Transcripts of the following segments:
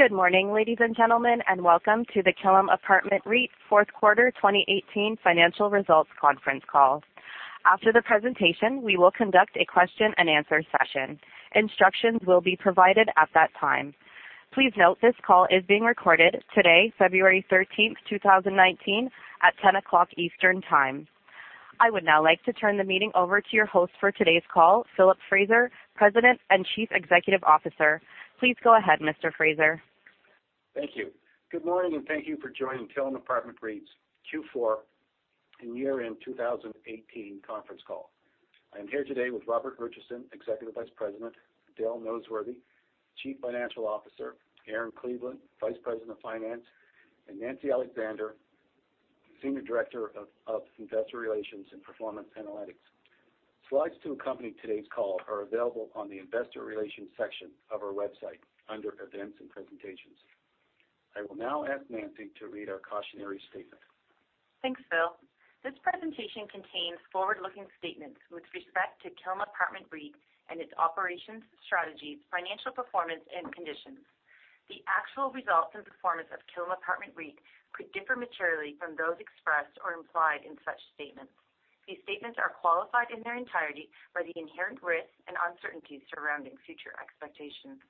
Good morning, ladies and gentlemen, and Welcome to the Killam Apartment REIT's fourth quarter 2018 financial results conference call. After the presentation, we will conduct a question and answer session. Instructions will be provided at that time. Please note, this call is being recorded today, February 13th, 2019, at ten o'clock Eastern Time. I would now like to turn the meeting over to your host for today's call, Philip Fraser, President and Chief Executive Officer. Please go ahead, Mr. Fraser. Thank you. Good morning. Thank you for joining Killam Apartment REIT's Q4 and year-end 2018 conference call. I am here today with Robert Richardson, Executive Vice President; Dale Noseworthy, Chief Financial Officer; Erin Cleveland, Vice President of Finance; and Nancy Alexander, Senior Director of Investor Relations and Performance Analytics. Slides to accompany today's call are available on the investor relations section of our website, under Events and Presentations. I will now ask Nancy to read our cautionary statement. Thanks, Phil. This presentation contains forward-looking statements with respect to Killam Apartment REIT and its operations, strategies, financial performance and conditions. The actual results and performance of Killam Apartment REIT could differ materially from those expressed or implied in such statements. These statements are qualified in their entirety by the inherent risks and uncertainties surrounding future expectations.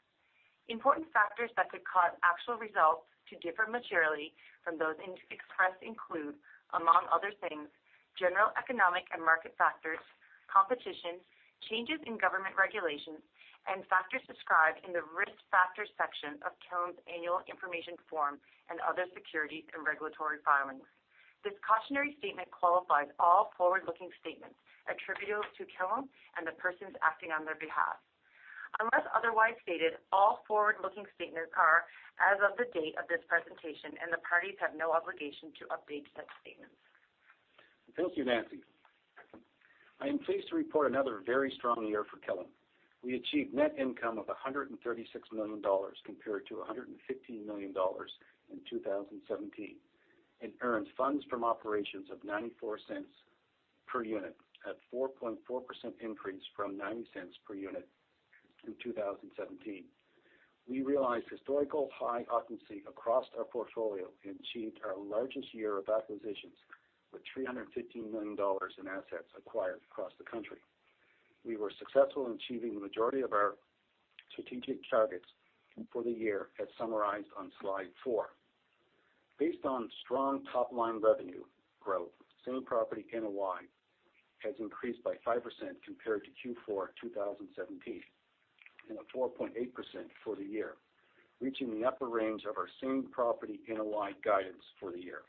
Important factors that could cause actual results to differ materially from those expressed include, among other things, general economic and market factors, competition, changes in government regulations, and factors described in the Risk Factors section of Killam's Annual Information Form and other securities and regulatory filings. This cautionary statement qualifies all forward-looking statements attributable to Killam and the persons acting on their behalf. Unless otherwise stated, all forward-looking statements are as of the date of this presentation, and the parties have no obligation to update such statements. Thank you, Nancy. I am pleased to report another very strong year for Killam. We achieved net income of 136 million dollars compared to 115 million dollars in 2017, and earned funds from operations of 0.94 per unit, a 4.4% increase from 0.90 per unit in 2017. We realized historical high occupancy across our portfolio and achieved our largest year of acquisitions with 315 million dollars in assets acquired across the country. We were successful in achieving the majority of our strategic targets for the year, as summarized on slide four. Based on strong top-line revenue growth, same property NOI has increased by 5% compared to Q4 2017, and of 4.8% for the year, reaching the upper range of our same property NOI guidance for the year.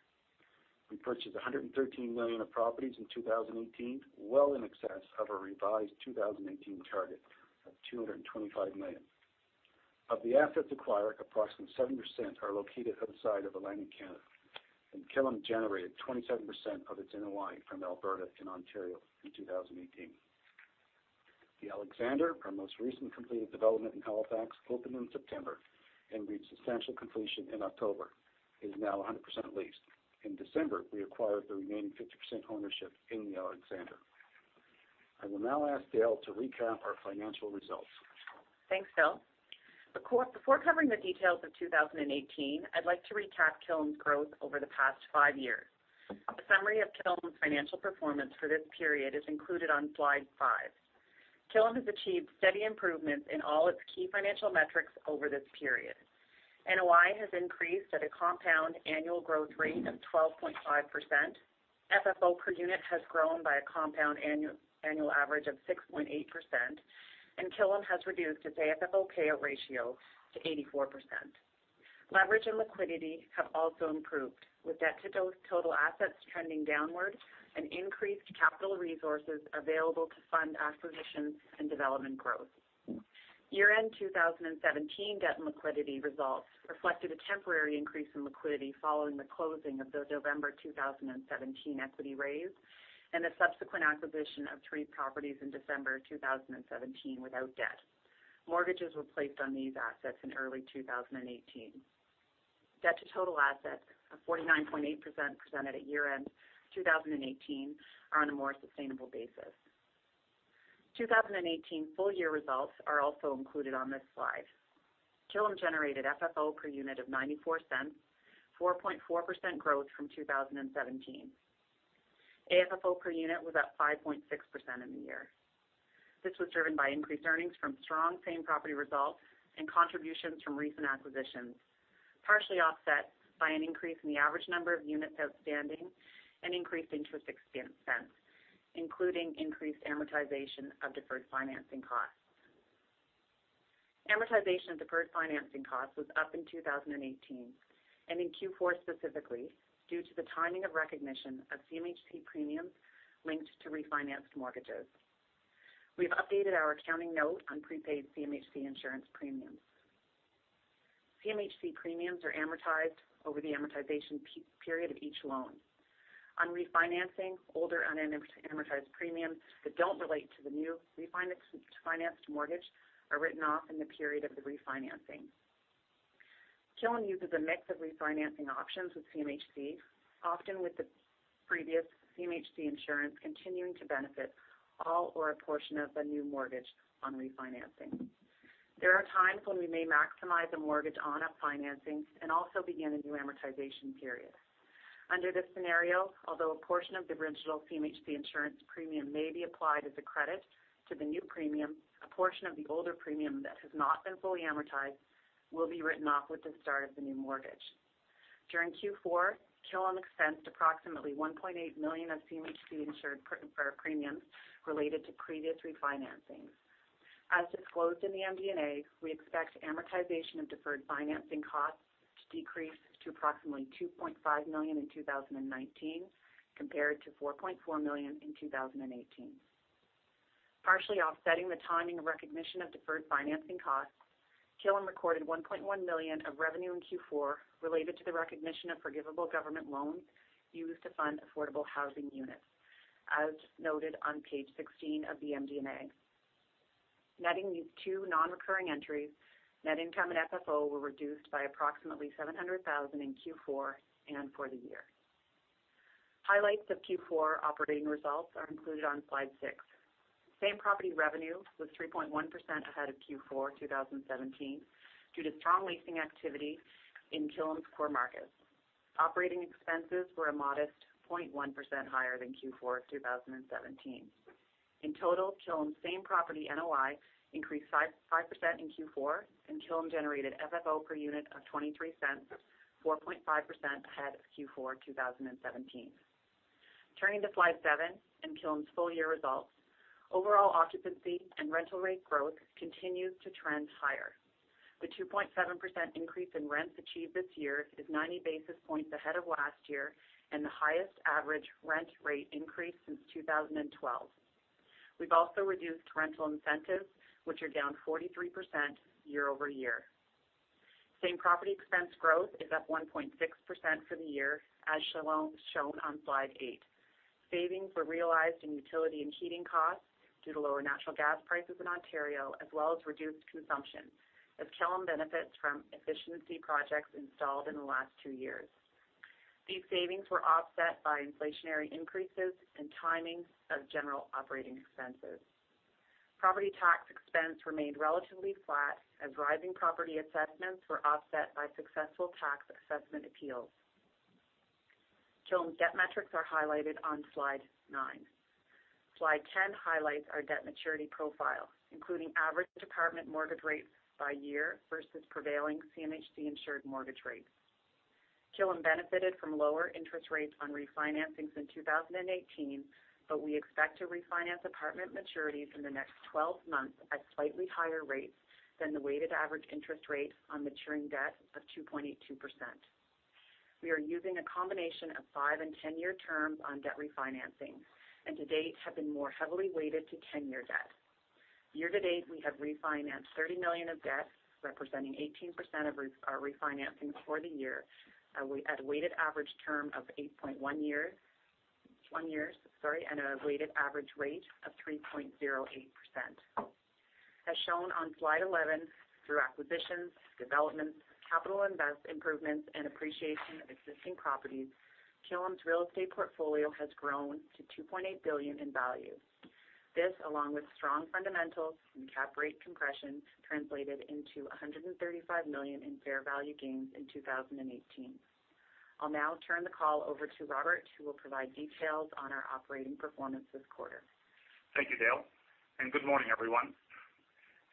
We purchased 113 million of properties in 2018, well in excess of our revised 2018 target of CAD 225 million. Of the assets acquired, approximately 7% are located outside of Atlantic Canada. Killam generated 27% of its NOI from Alberta and Ontario in 2018. The Alexander, our most recent completed development in Halifax, opened in September and reached substantial completion in October. It is now 100% leased. In December, we acquired the remaining 50% ownership in The Alexander. I will now ask Dale to recap our financial results. Thanks, Phil. Before covering the details of 2018, I'd like to recap Killam's growth over the past five years. A summary of Killam's financial performance for this period is included on slide five. Killam has achieved steady improvements in all its key financial metrics over this period. NOI has increased at a compound annual growth rate of 12.5%. FFO per unit has grown by a compound annual average of 6.8%. Killam has reduced its AFFO cover ratio to 84%. Leverage and liquidity have also improved, with debt to total assets trending downward and increased capital resources available to fund acquisitions and development growth. Year-end 2017 debt and liquidity results reflected a temporary increase in liquidity following the closing of the November 2017 equity raise and the subsequent acquisition of three properties in December 2017 without debt. Mortgages were placed on these assets in early 2018. Debt to total assets of 49.8% presented at year-end 2018 are on a more sustainable basis. 2018 full-year results are also included on this slide. Killam generated FFO per unit of 0.94, 4.4% growth from 2017. AFFO per unit was up 5.6% in the year. This was driven by increased earnings from strong same property results and contributions from recent acquisitions, partially offset by an increase in the average number of units outstanding and increased interest expense, including increased amortization of deferred financing costs. Amortization of deferred financing costs was up in 2018, and in Q4 specifically, due to the timing of recognition of CMHC premiums linked to refinanced mortgages. We've updated our accounting note on prepaid CMHC insurance premiums. CMHC premiums are amortized over the amortization period of each loan. On refinancing, older unamortized premiums that don't relate to the new refinanced mortgage are written off in the period of the refinancing. Killam uses a mix of refinancing options with CMHC, often with previous CMHC insurance continuing to benefit all or a portion of the new mortgage on refinancing. There are times when we may maximize a mortgage on a financing and also begin a new amortization period. Under this scenario, although a portion of the original CMHC insurance premium may be applied as a credit to the new premium, a portion of the older premium that has not been fully amortized will be written off with the start of the new mortgage. During Q4, Killam expensed approximately 1.8 million of CMHC-insured premiums related to previous refinancings. As disclosed in the MD&A, we expect amortization of deferred financing costs to decrease to approximately 2.5 million in 2019, compared to 4.4 million in 2018. Partially offsetting the timing of recognition of deferred financing costs, Killam recorded 1.1 million of revenue in Q4 related to the recognition of forgivable government loans used to fund affordable housing units, as noted on page 16 of the MD&A. Netting these two non-recurring entries, net income and FFO were reduced by approximately 700,000 in Q4 and for the year. Highlights of Q4 operating results are included on slide six. Same-property revenue was 3.1% ahead of Q4 2017 due to strong leasing activity in Killam's core markets. Operating expenses were a modest 0.1% higher than Q4 2017. In total, Killam's same-property NOI increased 5% in Q4, and Killam generated FFO per unit of 0.23, 4.5% ahead of Q4 2017. Turning to slide seven and Killam's full-year results. Overall occupancy and rental rate growth continues to trend higher. The 2.7% increase in rents achieved this year is 90 basis points ahead of last year, and the highest average rent rate increase since 2012. We've also reduced rental incentives, which are down 43% year-over-year. Same-property expense growth is up 1.6% for the year, as shown on slide eight. Savings were realized in utility and heating costs due to lower natural gas prices in Ontario, as well as reduced consumption, as Killam benefits from efficiency projects installed in the last two years. These savings were offset by inflationary increases and timings of general operating expenses. Property tax expense remained relatively flat as rising property assessments were offset by successful tax assessment appeals. Killam's debt metrics are highlighted on slide nine. Slide 10 highlights our debt maturity profile, including average apartment mortgage rates by year versus prevailing CMHC-insured mortgage rates. Killam benefited from lower interest rates on refinancings in 2018, but we expect to refinance apartment maturities in the next 12 months at slightly higher rates than the weighted average interest rate on maturing debt of 2.82%. We are using a combination of five and 10-year terms on debt refinancing, and to date, have been more heavily weighted to 10-year debt. Year-to-date, we have refinanced 30 million of debt, representing 18% of re-refinancings for the year. We had a weighted average term of 8.1 years, sorry, and a weighted average rate of 3.08%. As shown on slide 11, through acquisitions, developments, capital invest improvements, and appreciation of existing properties, Killam's real estate portfolio has grown to 2.8 billion in value. This, along with strong fundamentals and cap rate compression, translated into 135 million in fair value gains in 2018. I'll now turn the call over to Robert, who will provide details on our operating performance this quarter. Thank you, Dale, and good morning, everyone.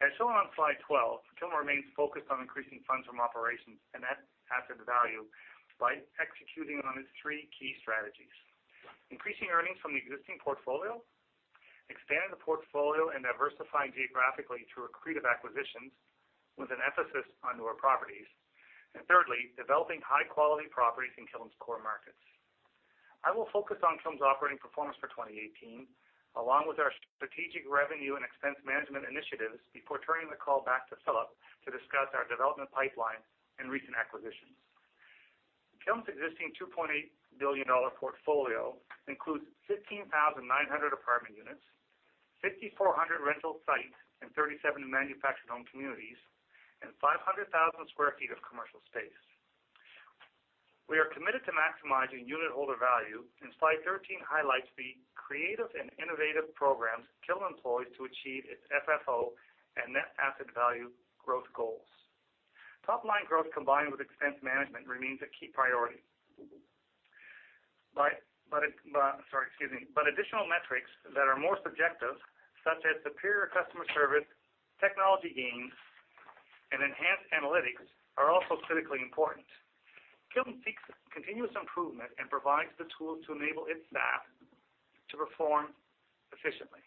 As shown on slide 12, Killam remains focused on increasing funds from operations and net asset value by executing on its three key strategies. Increasing earnings from the existing portfolio. Expanding the portfolio and diversifying geographically through accretive acquisitions, with an emphasis on newer properties. Thirdly, developing high-quality properties in Killam's core markets. I will focus on Killam's operating performance for 2018, along with our strategic revenue and expense management initiatives, before turning the call back to Philip to discuss our development pipeline and recent acquisitions. Killam's existing 2.8 billion dollar portfolio includes 15,900 apartment units, 5,400 rental sites, 37 manufactured home communities, and 500,000 sq ft of commercial space. We are committed to maximizing unit holder value. Slide 13 highlights the creative and innovative programs Killam employs to achieve its FFO and net asset value growth goals. Top-line growth combined with expense management remains a key priority. Sorry, excuse me. Additional metrics that are more subjective, such as superior customer service, technology gains, and enhanced analytics, are also critically important. Killam seeks continuous improvement and provides the tools to enable its staff to perform efficiently.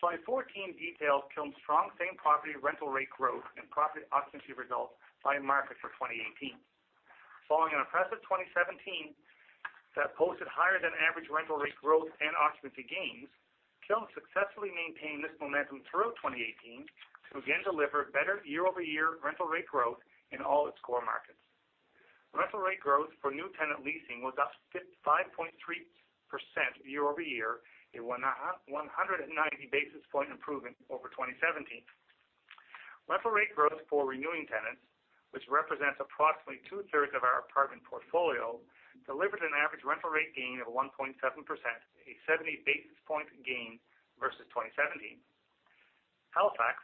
Slide 14 details Killam's strong same-property rental rate growth and property occupancy results by market for 2018. Following an impressive 2017 that posted higher than average rental rate growth and occupancy gains, Killam successfully maintained this momentum through 2018 to again deliver better year-over-year rental rate growth in all its core markets. Rental rate growth for new tenant leasing was up 5.3% year-over-year. A 190-basis point improvement over 2017. Rental rate growth for renewing tenants, which represents approximately two-thirds of our apartment portfolio, delivered an average rental rate gain of 1.7%, a 70-basis-point gain versus 2017. Halifax,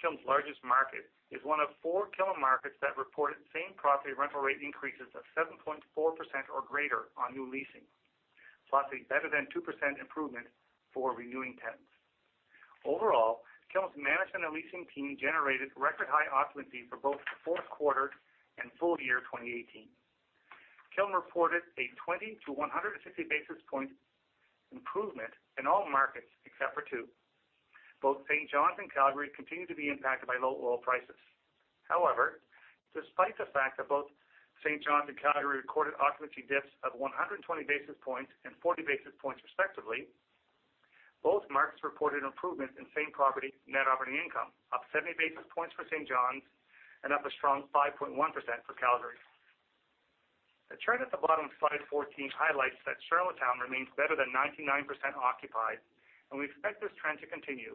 Killam's largest market, is one of four Killam markets that reported same-property rental rate increases of 7.4% or greater on new leasing, plus a better-than-2% improvement for renewing tenants. Overall, Killam's Management and Leasing team generated record-high occupancy for both the fourth quarter and full year 2018. Killam reported a 20-160 basis-point improvement in all markets except for two. Both St. John's and Calgary continue to be impacted by low oil prices. Despite the fact that both St. John's and Calgary recorded occupancy dips of 120 basis points and 40 basis points respectively, both markets reported improvements in same-property net operating income, up 70 basis points for St. John's, and up a strong 5.1% for Calgary. The chart at the bottom of slide 14 highlights that Charlottetown remains better than 99% occupied, and we expect this trend to continue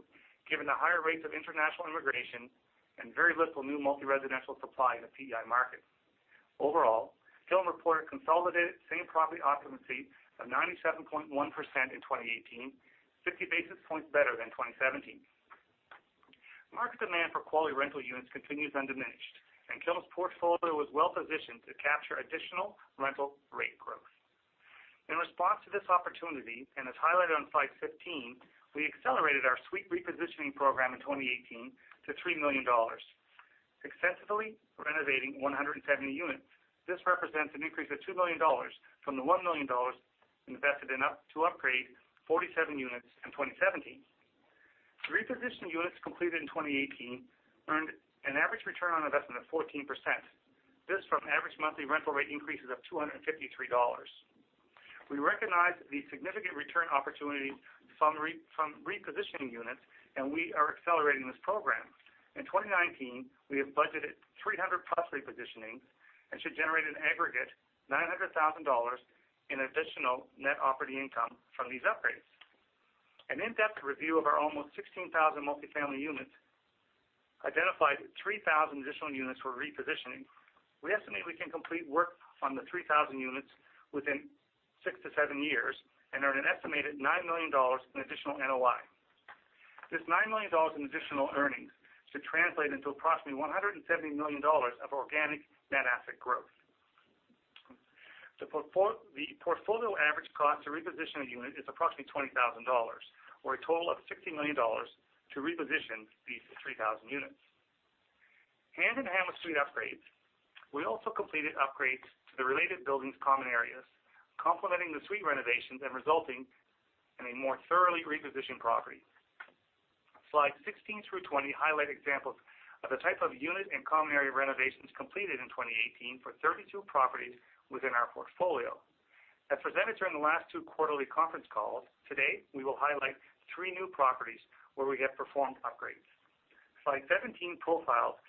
given the higher rates of international immigration and very little new multi-residential supply in the PEI market. Overall, Killam reported consolidated same-property occupancy of 97.1% in 2018, 50 basis points better than 2017. Market demand for quality rental units continues undiminished. Killam's portfolio is well-positioned to capture additional rental rate growth. In response to this opportunity, as highlighted on Slide 15, we accelerated our suite repositioning program in 2018 to 3 million dollars, successfully renovating 170 units. This represents an increase of 2 million dollars from the 1 million dollars invested to upgrade 47 units in 2017. The repositioned units completed in 2018 earned an average return on investment of 14%. This from average monthly rental rate increases of 253 dollars. We recognize the significant return opportunity from repositioning units, and we are accelerating this program. In 2019, we have budgeted 300+ repositionings and should generate an aggregate 900,000 dollars in additional NOI from these upgrades. An in-depth review of our almost 16,000 multifamily units identified 3,000 additional units for repositioning. We estimate we can complete work on the 3,000 units within six to seven years, and earn an estimated 9 million dollars in additional NOI. This 9 million dollars in additional earnings should translate into approximately 170 million dollars of organic net asset growth. The portfolio average cost to reposition a unit is approximately 20,000 dollars, or a total of 60 million dollars to reposition these 3,000 units. Hand-in-hand with suite upgrades, we also completed upgrades to the related buildings' common areas, complementing the suite renovations and resulting in a more thoroughly repositioned property. Slides 16 through 20 highlight examples of the type of unit and common area renovations completed in 2018 for 32 properties within our portfolio. As presented during the last two quarterly conference calls, today, we will highlight three new properties where we have performed upgrades. Slide 17 profiles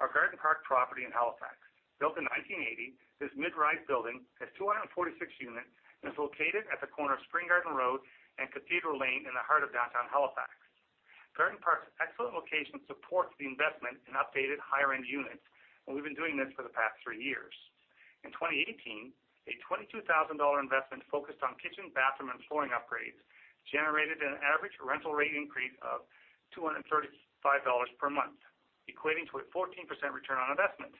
our Garden Park property in Halifax. Built in 1980, this mid-rise building has 246 units and is located at the corner of Spring Garden Road and Cathedral Lane in the heart of downtown Halifax. Garden Park's excellent location supports the investment in updated higher-end units, and we've been doing this for the past three years. In 2018, a 22,000 dollar investment focused on kitchen, bathroom, and flooring upgrades generated an average rental rate increase of 235 dollars per month, equating to a 14% return on investment.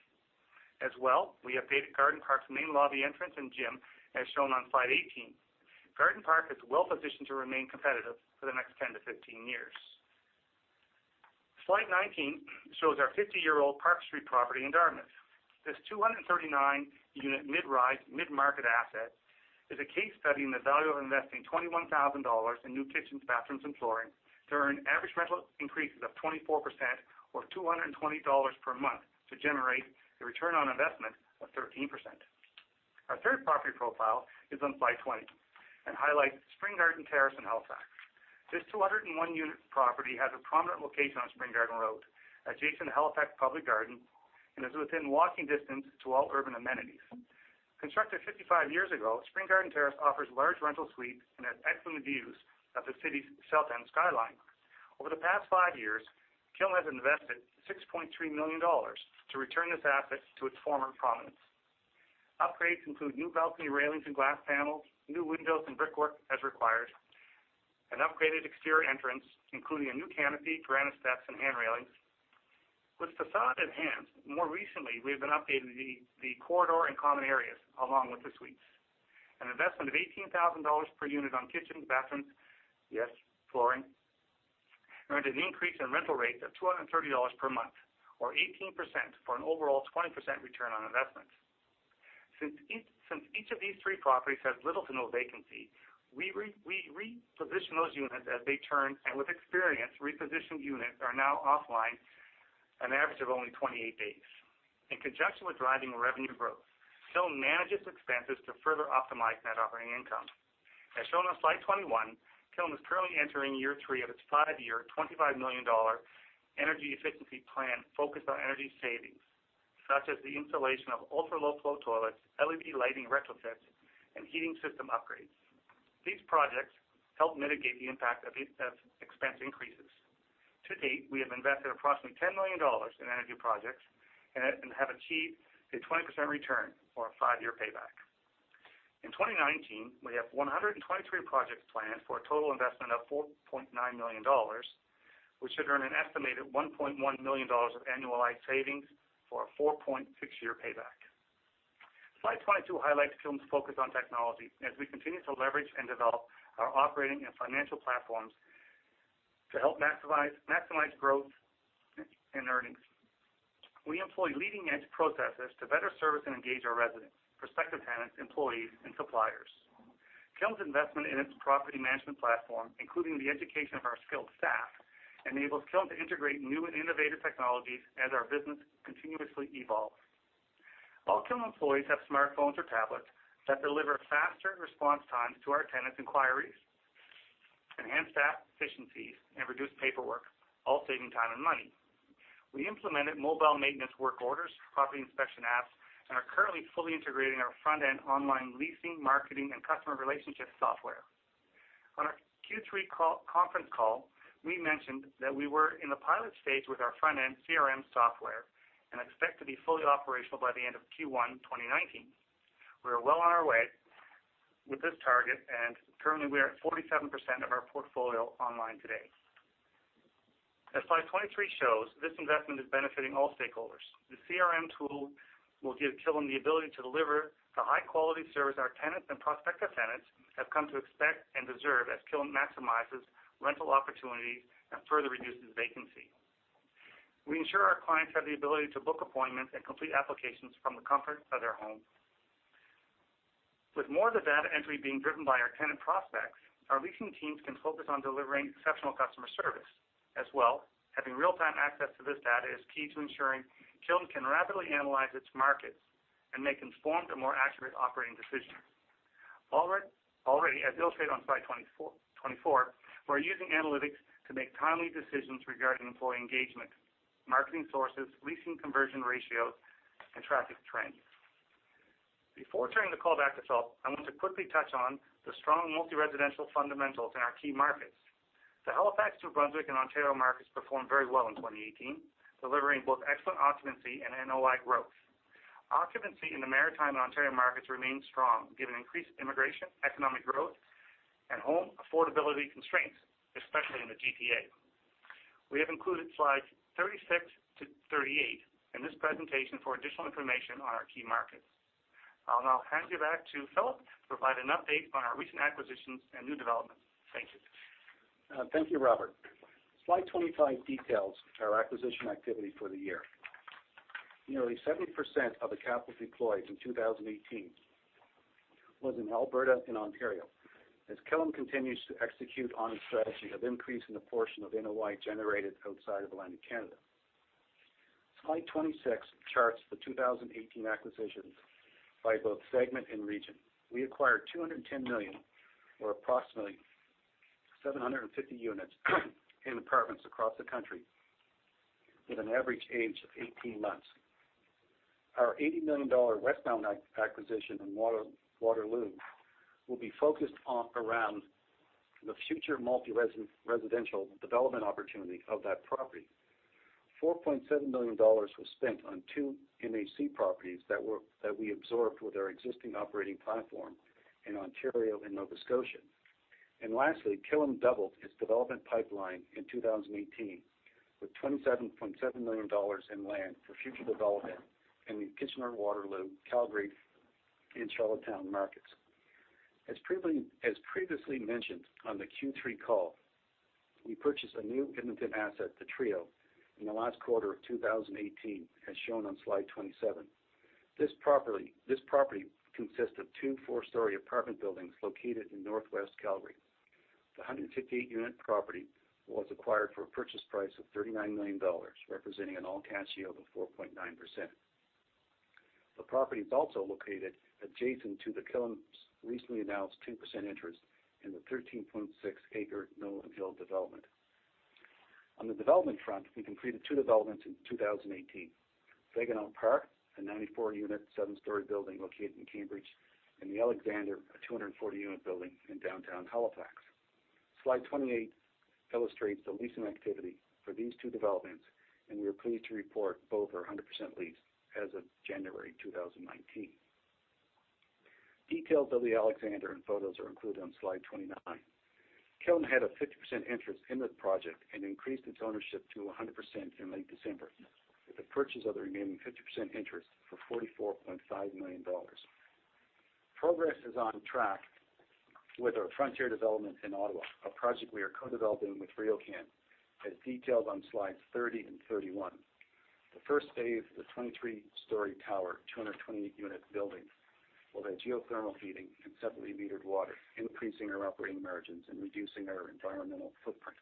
As well, we updated Garden Park's main lobby entrance and gym, as shown on Slide 18. Garden Park is well-positioned to remain competitive for the next 10 to 15 years. Slide 19 shows our 50-year-old Parker Street property in Dartmouth. This 239-unit mid-rise, mid-market asset is a case study in the value of investing 21,000 dollars in new kitchens, bathrooms, and flooring to earn average rental increases of 24%, or 220 dollars per month, to generate a return on investment of 13%. Our third property profile is on Slide 20, and highlights Spring Garden Terrace in Halifax. This 201-unit property has a prominent location on Spring Garden Road adjacent to Halifax Public Garden and is within walking distance to all urban amenities. Constructed 55 years ago, Spring Garden Terrace offers large rental suites and has excellent views of the city's South End skyline. Over the past five years, Killam has invested 6.3 million dollars to return this asset to its former prominence. Upgrades include new balcony railings and glass panels, new windows and brickwork as required, an upgraded exterior entrance, including a new canopy, granite steps, and hand railings. With façade enhanced, more recently, we have been updating the corridor and common areas, along with the suites. An investment of 18,000 dollars per unit on kitchen, bathroom, yes, flooring, earned an increase in rental rates of 230 dollars per month, or 18%, for an overall 20% return on investment. Since each of these three properties has little to no vacancy, we reposition those units as they turn, and with experience, repositioned units are now offline an average of only 28 days. In conjunction with driving revenue growth, Killam manages expenses to further optimize Net Operating Income. As shown on Slide 21, Killam is currently entering year three of its five-year, 25 million dollar energy efficiency plan focused on energy savings, such as the installation of ultra-low flow toilets, LED lighting retrofits, and heating system upgrades. These projects help mitigate the impact of expense increases. To date, we have invested approximately 10 million dollars in energy projects and have achieved a 20% return or a five-year payback. In 2019, we have 123 projects planned for a total investment of 4.9 million dollars, which should earn an estimated 1.1 million dollars of annualized savings for a 4.6-year payback. Slide 22 highlights Killam's focus on technology as we continue to leverage and develop our operating and financial platforms to help maximize growth and earnings. We employ leading-edge processes to better service and engage our residents, prospective tenants, employees, and suppliers. Killam's investment in its property management platform, including the education of our skilled staff, enables Killam to integrate new and innovative technologies as our business continuously evolves. All Killam employees have smartphones or tablets that deliver faster response times to our tenants' inquiries, enhance staff efficiencies, and reduce paperwork, all saving time and money. We implemented mobile maintenance work orders, property inspection apps, and are currently fully integrating our front-end online leasing, marketing, and customer relationship software. On our Q3 conference call, we mentioned that we were in the pilot stage with our front-end CRM software and expect to be fully operational by the end of Q1 2019. We are well on our way with this target, and currently, we are at 47% of our portfolio online today. As slide 23 shows, this investment is benefiting all stakeholders. The CRM tool will give Killam the ability to deliver the high-quality service our tenants and prospective tenants have come to expect and deserve as Killam maximizes rental opportunities and further reduces vacancy. We ensure our clients have the ability to book appointments and complete applications from the comfort of their home. With more of the data entry being driven by our tenant prospects, our leasing teams can focus on delivering exceptional customer service. As well, having real-time access to this data is key to ensuring Killam can rapidly analyze its markets and make informed and more accurate operating decisions. Already, as illustrated on slide 24, we're using analytics to make timely decisions regarding employee engagement, marketing sources, leasing conversion ratios, and traffic trends. Before turning the call back to Philip, I want to quickly touch on the strong multi-residential fundamentals in our key markets. The Halifax, New Brunswick, and Ontario markets performed very well in 2018, delivering both excellent occupancy and NOI growth. Occupancy in the Maritime and Ontario markets remains strong, given increased immigration, economic growth, and home affordability constraints, especially in the GTA. We have included slides 36 to 38 in this presentation for additional information on our key markets. I'll now hand you back to Philip to provide an update on our recent acquisitions and new developments. Thank you. Thank you, Robert. Slide 25 details our acquisition activity for the year. Nearly 70% of the capital deployed in 2018 was in Alberta and Ontario, as Killam continues to execute on its strategy of increasing the portion of NOI generated outside of the Atlantic Canada. Slide 26 charts the 2018 acquisitions by both segment and region. We acquired 210 million, or approximately 750 units, in apartments across the country, with an average age of 18 months. Our 80 million dollar Westmount acquisition in Waterloo will be focused around the future multi-residential development opportunity of that property. 4.7 million dollars was spent on 2 MHC properties that we absorbed with our existing operating platform in Ontario and Nova Scotia. Lastly, Killam doubled its development pipeline in 2018 with 27.7 million dollars in land for future development in the Kitchener-Waterloo, Calgary, and Charlottetown markets. As previously mentioned on the Q3 call, we purchased a new Edmonton asset, The Trio, in the last quarter of 2018, as shown on slide 27. This property consists of two four-story apartment buildings located in Northwest Calgary. The 158-unit property was acquired for a purchase price of 39 million dollars, representing an all-cash yield of 4.9%. The property is also located adjacent to Killam's recently announced 2% interest in the 13.6-acre Nolan Hill development. On the development front, we completed two developments in 2018. Saginaw Park, a 94-unit, seven-story building located in Cambridge, and The Alexander, a 240-unit building in downtown Halifax. Slide 28 illustrates the leasing activity for these two developments, and we are pleased to report both are 100% leased as of January 2019. Details of The Alexander and photos are included on slide 29. Killam had a 50% interest in this project and increased its ownership to 100% in late December with the purchase of the remaining 50% interest for 44.5 million dollars. Progress is on track with our Frontier development in Ottawa, a project we are co-developing with RioCan, as detailed on slides 30 and 31. The first phase is a 23-story tower, 220-unit building with geothermal heating and separately metered water, increasing our operating margins and reducing our environmental footprint.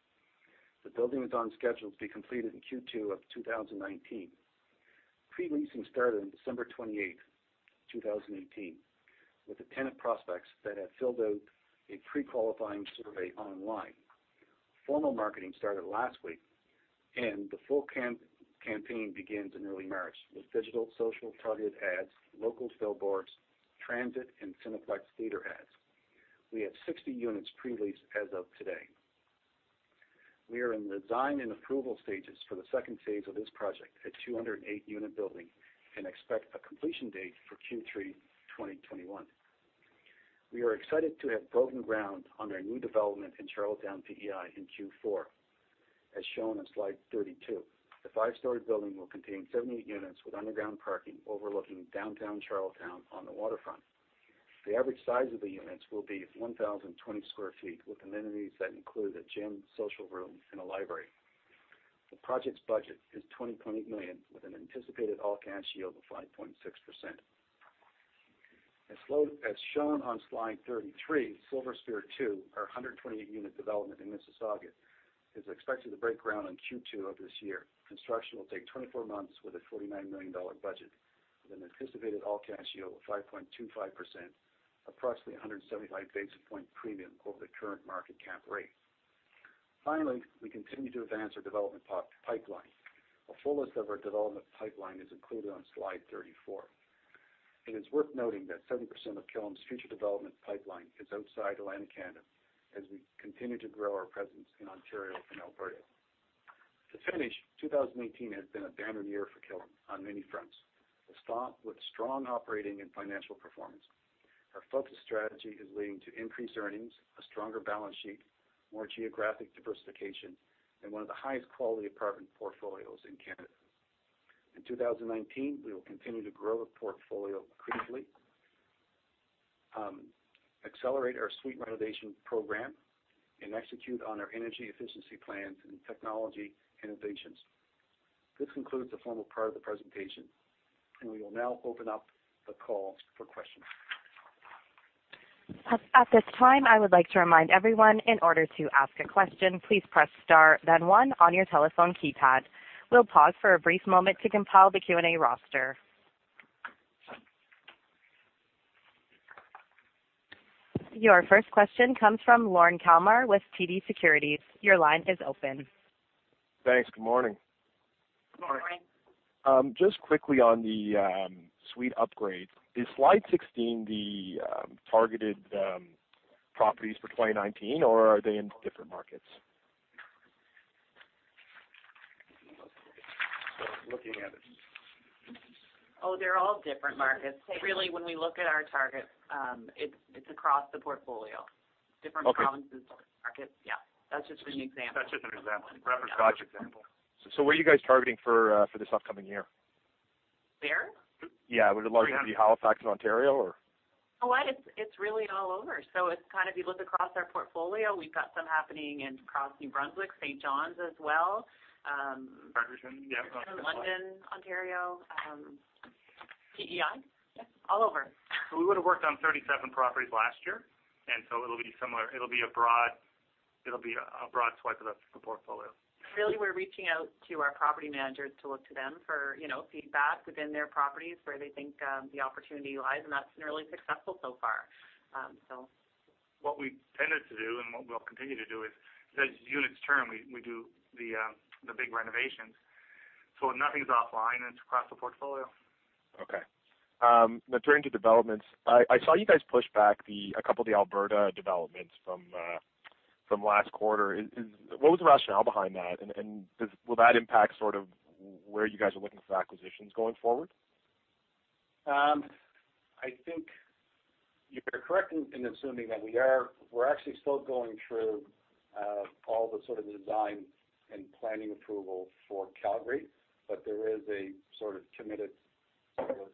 The building is on schedule to be completed in Q2 of 2019. Pre-leasing started on December 28, 2018, with the tenant prospects that have filled out a pre-qualifying survey online. Formal marketing started last week, and the full campaign begins in early March with digital, social targeted ads, local billboards, transit, and Cineplex theater ads. We have 60 units pre-leased as of today. We are in the design and approval stages for the second phase of this project, a 208-unit building, and expect a completion date for Q3 2021. We are excited to have broken ground on our new development in Charlottetown, PEI, in Q4. As shown on slide 32, the five-story building will contain 78 units with underground parking overlooking downtown Charlottetown on the waterfront. The average size of the units will be 1,020 sq ft, with amenities that include a gym, social room, and a library. The project's budget is 20.8 million, with an anticipated all-cash yield of 5.6%. As shown on slide 33, Silver Spear 2, our 128-unit development in Mississauga, is expected to break ground in Q2 of this year. Construction will take 24 months with a 49 million dollar budget with an anticipated all-cash yield of 5.25%, approximately 175 basis point premium over the current market cap rate. Finally, we continue to advance our development pipeline. A full list of our development pipeline is included on Slide 34. It is worth noting that 70% of Killam's future development pipeline is outside Atlantic Canada as we continue to grow our presence in Ontario and Alberta. To finish, 2018 has been a banner year for Killam on many fronts, with strong operating and financial performance. Our focused strategy is leading to increased earnings, a stronger balance sheet, more geographic diversification, and one of the highest quality apartment portfolios in Canada. In 2019, we will continue to grow the portfolio accretively, accelerate our suite renovation program, and execute on our energy efficiency plans and technology innovations. This concludes the formal part of the presentation. We will now open up the call for questions. At this time, I would like to remind everyone, in order to ask a question, please press star then one on your telephone keypad. We'll pause for a brief moment to compile the Q&A roster. Your first question comes from Lorne Kalmar with TD Securities. Your line is open. Thanks. Good morning. Good morning. Just quickly on the suite upgrade. Is Slide 16 the targeted properties for 2019, or are they in different markets? Looking at it. Oh, they're all different markets. Really, when we look at our targets, it's across the portfolio. Okay. Different provinces, different markets. Yeah. That's just an example. That's just an example. A Nova Scotia example. What are you guys targeting for this upcoming year? There? Yeah. Would a large be Halifax or Ontario, or? It's really all over. If you look across our portfolio, we've got some happening across New Brunswick, St. John's as well. Fredericton. Yeah. London, Ontario. PEI. All over. We would've worked on 37 properties last year, and so it'll be similar. It'll be a broad swipe of the portfolio. Really, we're reaching out to our property managers to look to them for feedback within their properties where they think the opportunity lies, and that's been really successful so far. What we've tended to do and what we'll continue to do is, as units turn, we do the big renovations. Nothing's offline, and it's across the portfolio. Okay. Now turning to developments. I saw you guys push back a couple of the Alberta developments from last quarter. What was the rationale behind that, and will that impact sort of where you guys are looking for acquisitions going forward? I think you're correct in assuming that we are. We're actually still going through all the sort of design and planning approval for Calgary. There is a sort of committed sort of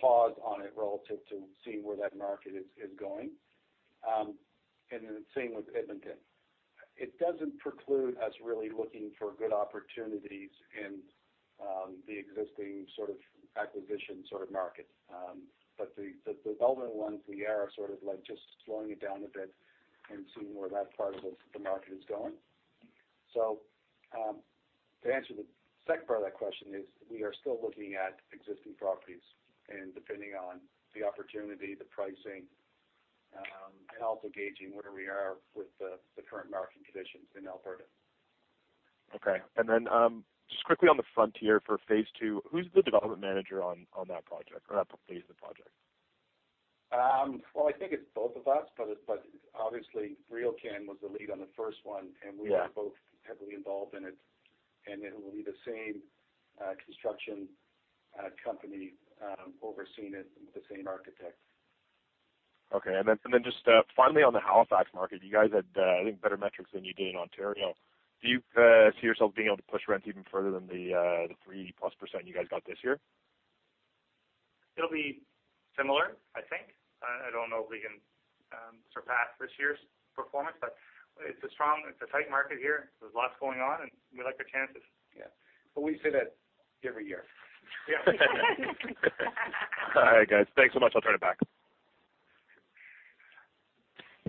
pause on it relative to seeing where that market is going. Same with Edmonton. It doesn't preclude us really looking for good opportunities in the existing sort of acquisition sort of market. The development ones, we are sort of just slowing it down a bit and seeing where that part of the market is going. To answer the second part of that question is, we are still looking at existing properties, and depending on the opportunity, the pricing, and also gauging where we are with the current market conditions in Alberta. Okay. Just quickly on the Frontier for phase II, who's the development manager on that project, or that phase of the project? Well, I think it's both of us, but obviously RioCan was the lead on the first one. Yeah. We are both heavily involved in it, and it will be the same construction company overseeing it with the same architect. Okay. Just finally, on the Halifax market, you guys had, I think, better metrics than you did in Ontario. Do you see yourself being able to push rent even further than the 3%+ you guys got this year? It'll be similar, I think. I don't know if we can surpass this year's performance, it's a tight market here. There's lots going on, we like our chances. Yeah. We say that every year. All right, guys. Thanks so much. I'll turn it back.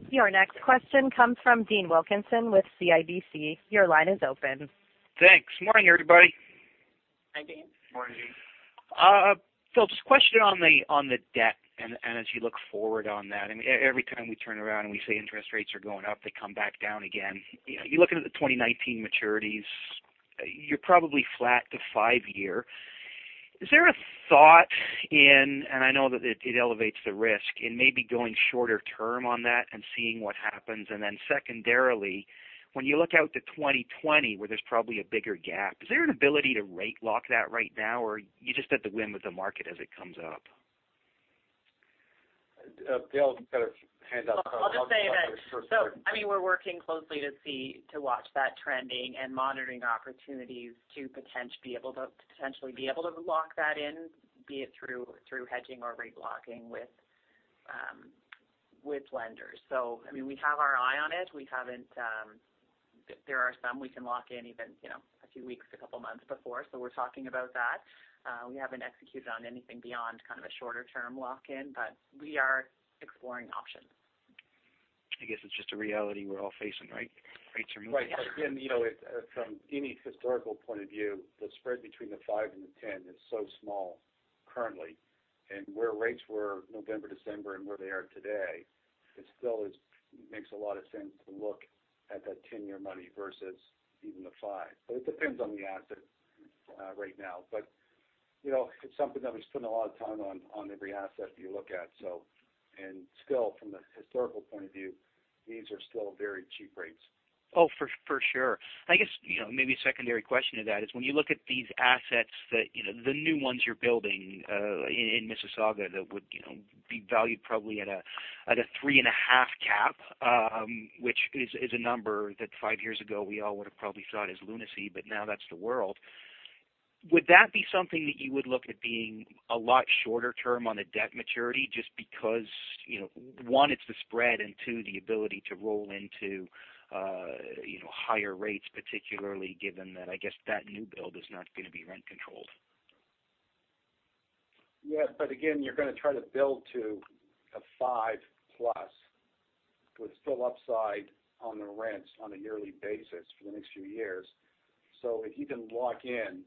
Your next question comes from Dean Wilkinson with CIBC. Your line is open. Thanks. Morning, everybody. Hi, Dean. Morning Dean. Phillip, question on the debt and as you look forward on that. Every time we turn around and we say interest rates are going up, they come back down again. You're looking at the 2019 maturities, you're probably flat to five-year. Is there a thought in, and I know that it elevates the risk, in maybe going shorter term on that and seeing what happens? Secondarily, when you look out to 2020, where there's probably a bigger gap, is there an ability to rate lock that right now? You're just at the whim of the market as it comes up. Dale kind of handed out- I'll just say that we're working closely to watch that trending and monitoring opportunities to potentially be able to lock that in, be it through hedging or rate locking with lenders. We have our eye on it. There are some we can lock in even a few weeks, a couple of months before, we're talking about that. We haven't executed on anything beyond kind of a shorter-term lock-in, we are exploring options. I guess it's just a reality we're all facing, right? Rates are moving. Right. Again, from any historical point of view, the spread between the five and the 10 is so small currently. Where rates were November, December, and where they are today, it still makes a lot of sense to look at that 10-year money versus even the five. It depends on the asset right now. It's something that we spend a lot of time on every asset you look at. Still, from the historical point of view, these are still very cheap rates. Oh, for sure. I guess, maybe a secondary question to that is when you look at these assets that, the new ones you're building in Mississauga that would be valued probably at a three and a half cap, which is a number that five years ago we all would've probably thought is lunacy, but now that's the world. Would that be something that you would look at being a lot shorter term on a debt maturity just because, one, it's the spread and two, the ability to roll into higher rates, particularly given that, I guess that new build is not going to be rent controlled. Yes. Again, you're going to try to build to a 5+ with still upside on the rents on a yearly basis for the next few years. If you can lock in,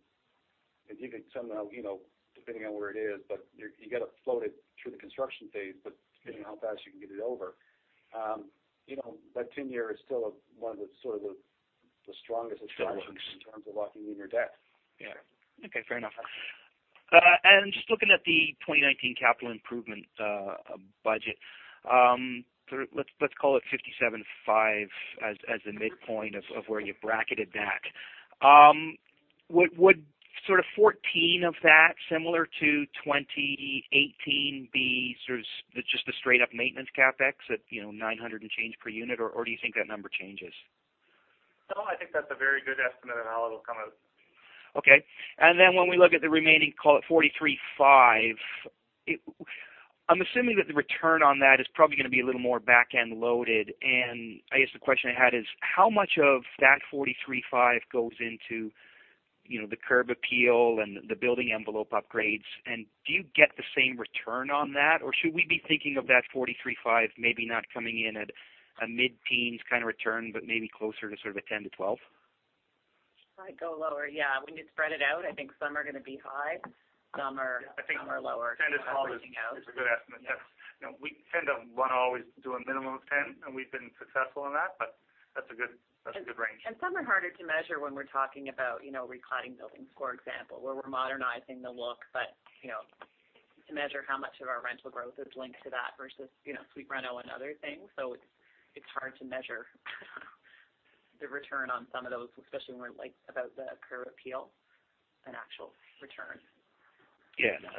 if you could somehow, depending on where it is, you got to float it through the construction phase, but depending on how fast you can get it over. That 10-year is still one of the sort of the strongest attractions in terms of locking in your debt. Yeah. Okay. Fair enough. Just looking at the 2019 capital improvement budget. Let's call it 57.5 as the midpoint of where you bracketed that. Would sort of 14 of that similar to 2018 be sort of just the straight up maintenance CapEx at 900 and change per unit or do you think that number changes? No, I think that's a very good estimate on how it'll come out. Okay. When we look at the remaining, call it 43.5. I'm assuming that the return on that is probably going to be a little more back-end loaded. I guess the question I had is how much of that 43.5 goes into the curb appeal and the building envelope upgrades, and do you get the same return on that, or should we be thinking of that 43.5 maybe not coming in at a mid-teens kind of return, but maybe closer to sort of a 10%-12%? Might go lower. Yeah. When you spread it out, I think some are going to be high, some are lower. I think 10%-12% is a good estimate. We tend to want to always do a minimum of 10%, and we've been successful in that, but that's a good range. Some are harder to measure when we're talking about recladding buildings, for example, where we're modernizing the look. To measure how much of our rental growth is linked to that versus suite reno and other things. It's hard to measure the return on some of those, especially when we're like about the curb appeal and actual return. Yeah, no,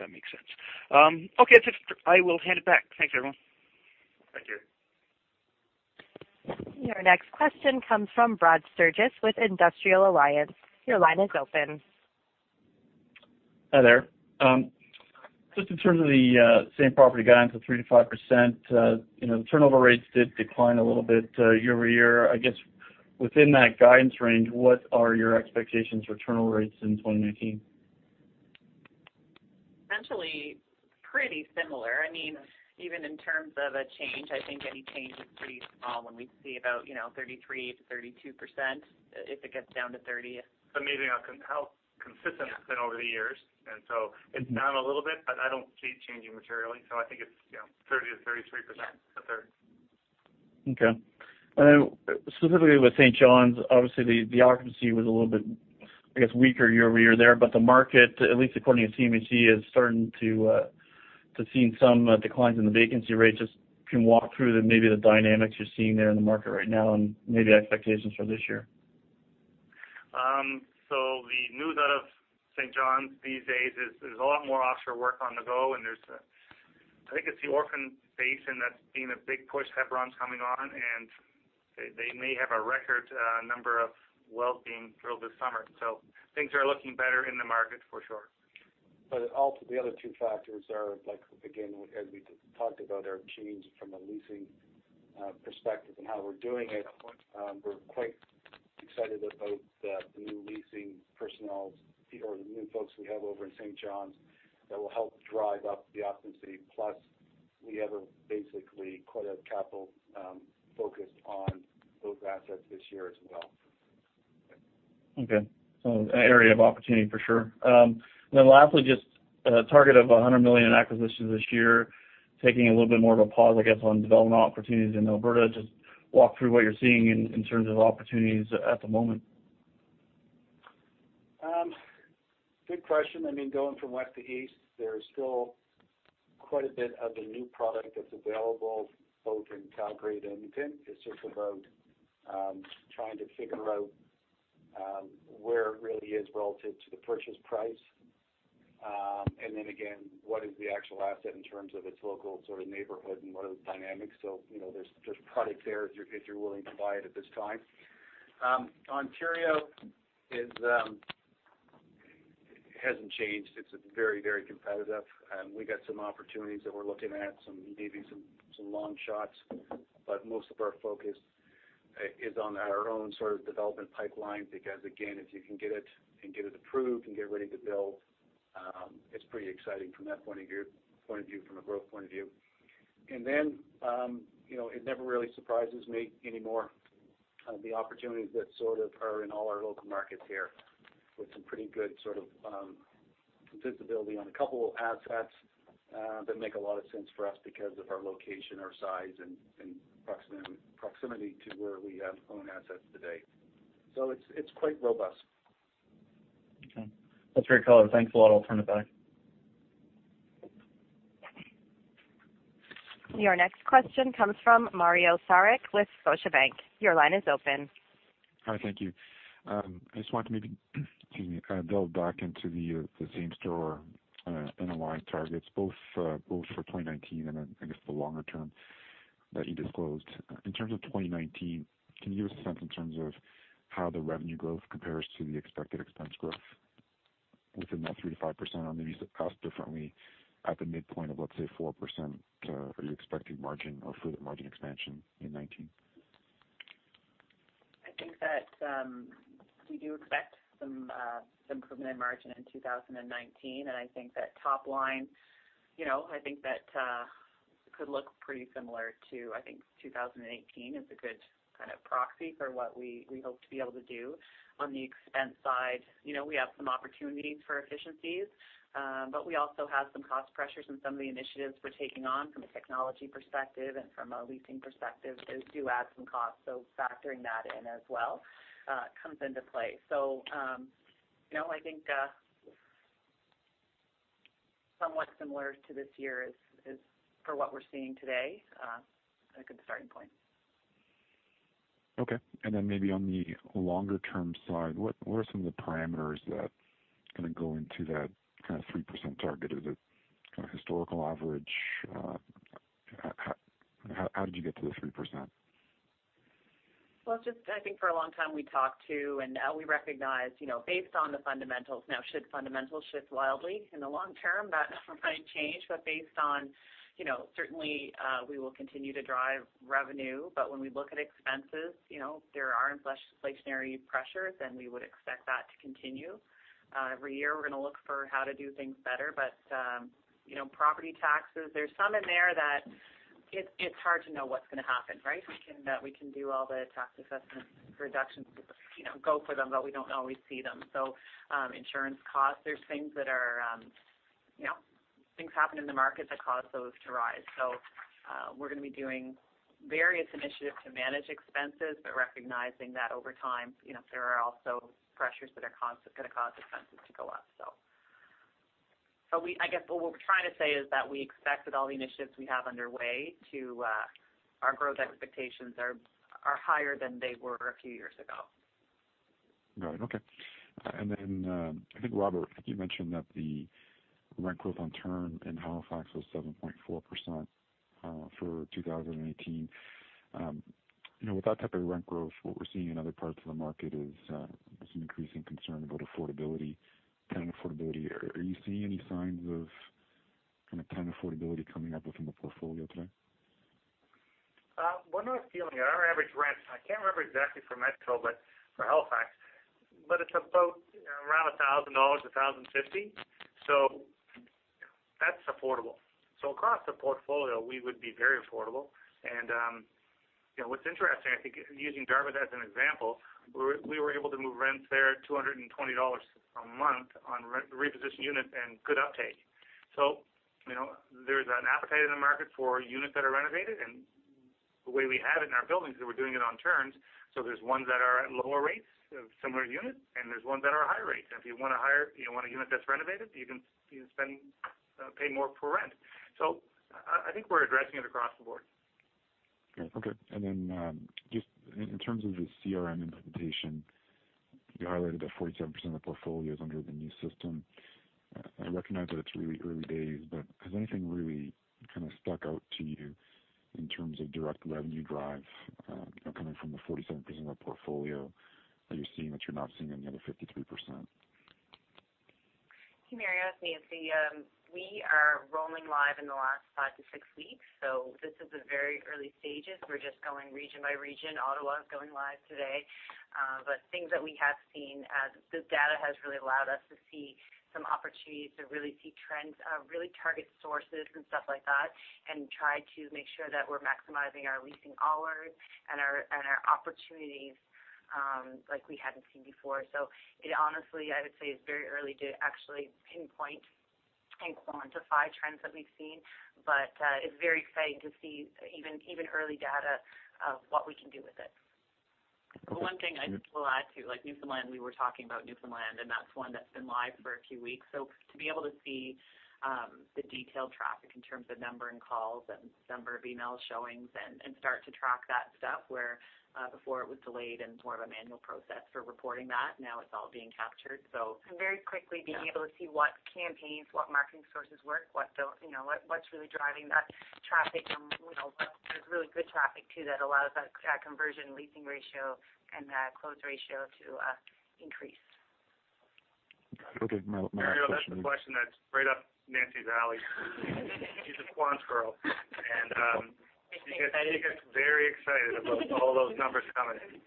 that makes sense. Okay. I will hand it back. Thanks, everyone. Thank you. Your next question comes from Brad Sturgess with Industrial Alliance. Your line is open. Hi there. Just in terms of the same property guidance of 3%-5%, the turnover rates did decline a little bit year-over-year. I guess within that guidance range, what are your expectations for turnover rates in 2019? Potentially pretty similar. Even in terms of a change, I think any change is pretty small when we see about 33%-32%, if it gets down to 30%. It's amazing how consistent it's been over the years, it's down a little bit, I don't see it changing materially. I think it's 30%-33%. Okay. Specifically with St. John's, obviously the occupancy was a little bit, I guess, weaker year-over-year there, the market, at least according to CMHC, is starting to see some declines in the vacancy rates. Just if you can walk through maybe the dynamics you're seeing there in the market right now and maybe expectations for this year. The news out of St. John's these days is there's a lot more offshore work on the go, and there's, I think it's the Orphan Basin, that's being a big push. Hebron's coming on, and they may have a record number of wells being drilled this summer. Things are looking better in the market for sure. The other two factors are like, again, as we talked about, our change from a leasing perspective and how we're doing it. We're quite excited about the new leasing personnel or the new folks we have over in St. John's that will help drive up the occupancy. Plus, we have basically quite a capital focus on those assets this year as well. Okay. An area of opportunity for sure. Lastly, just a target of 100 million in acquisitions this year, taking a little bit more of a pause, I guess, on development opportunities in Alberta. Just walk through what you're seeing in terms of opportunities at the moment. Good question. Going from west to east, there's still quite a bit of the new product that's available both in Calgary and Edmonton. It's just about trying to figure out where it really is relative to the purchase price. Then again, what is the actual asset in terms of its local sort of neighborhood, and what are the dynamics? There's product there if you're willing to buy it at this time. Ontario hasn't changed. It's very competitive. We got some opportunities that we're looking at, maybe some long shots, but most of our focus is on our own sort of development pipeline. Again, if you can get it approved and get ready to build, it's pretty exciting from that point of view, from a growth point of view. It never really surprises me anymore, the opportunities that sort of are in all our local markets here with some pretty good sort of visibility on a couple of assets that make a lot of sense for us because of our location, our size, and proximity to where we own assets today. It's quite robust. Okay. That's very clear. Thanks a lot. I'll turn it back. Your next question comes from Mario Saric with Scotiabank. Your line is open. Hi, thank you. I just wanted maybe to kind of build back into the same-store NOI targets, both for 2019 and then I guess the longer term that you disclosed. In terms of 2019, can you give us a sense in terms of how the revenue growth compares to the expected expense growth within that 3%-5%? Or maybe to ask differently, at the midpoint of, let's say 4%, are you expecting margin or further margin expansion in 2019? I think that we do expect some improvement in margin in 2019. I think that top line could look pretty similar to, I think 2018 is a good kind of proxy for what we hope to be able to do. On the expense side, we have some opportunities for efficiencies. We also have some cost pressures and some of the initiatives we're taking on from a technology perspective and from a leasing perspective, those do add some cost. Factoring that in as well comes into play. I think somewhat similar to this year is, for what we're seeing today, a good starting point. Okay. Then maybe on the longer-term side, what are some of the parameters that kind of go into that kind of 3% target? Is it kind of historical average? How did you get to the 3%? Well, it's just I think for a long time we talked to and we recognized, based on the fundamentals. Now, should fundamentals shift wildly in the long term, that might change. Based on certainly, we will continue to drive revenue. When we look at expenses, there are inflationary pressures, and we would expect that to continue. Every year we're going to look for how to do things better. Property taxes, there's some in there that it's hard to know what's going to happen, right? We can do all the tax assessment reductions, go for them, but we don't always see them. Insurance costs, there's things happen in the market that cause those to rise. We're going to be doing various initiatives to manage expenses, but recognizing that over time there are also pressures that are going to cause expenses to go up. I guess what we're trying to say is that we expect that all the initiatives we have underway to our growth expectations are higher than they were a few years ago. Got it. Okay. I think, Robert, I think you mentioned that the rent growth on turn in Halifax was 7.4% for 2018. With that type of rent growth, what we're seeing in other parts of the market is there's an increasing concern about affordability, tenant affordability. Are you seeing any signs of kind of tenant affordability coming up within the portfolio today? We're not feeling it. Our average rents, I can't remember exactly for Metro, but for Halifax. It's about around 1,000 dollars, 1,050. That's affordable. Across the portfolio, we would be very affordable. What's interesting, I think using Dartmouth as an example, we were able to move rents there 220 dollars a month on repositioned units and good uptake. There's an appetite in the market for units that are renovated. The way we have it in our buildings is we're doing it on turns. There's ones that are at lower rates of similar units, and there's ones that are higher rates. If you want a unit that's renovated, you can pay more for rent. I think we're addressing it across the board. Okay. Just in terms of the CRM implementation, you highlighted that 47% of the portfolio is under the new system. I recognize that it's really early days, but has anything really kind of stuck out to you in terms of direct revenue drive coming from the 47% of the portfolio that you're seeing that you're not seeing in the other 53%? Hey, Mario. It's Nancy. We are rolling live in the last five to six weeks, this is the very early stages. We're just going region by region. Ottawa is going live today. Things that we have seen, the data has really allowed us to see some opportunities to really see trends, really target sources and stuff like that, and try to make sure that we're maximizing our leasing hours and our opportunities like we hadn't seen before. It honestly, I would say, is very early to actually pinpoint and quantify trends that we've seen, but it's very exciting to see even early data of what we can do with it. One thing I'd just like to add too, like Newfoundland, we were talking about Newfoundland, and that's one that's been live for a few weeks. To be able to see the detailed traffic in terms of number and calls and number of email showings and start to track that stuff where before it was delayed and more of a manual process for reporting that, now it's all being captured. Very quickly being able to see what campaigns, what marketing sources work, what's really driving that traffic. There's really good traffic too that allows that conversion leasing ratio and that close ratio to increase. Got it. Okay. [inaudible] Mario, that's a question that's right up Nancy's alley. She's a quants girl. Thank you She gets very excited about all those numbers coming in.